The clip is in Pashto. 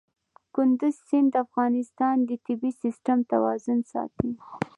کندز سیند د افغانستان د طبعي سیسټم توازن ساتي.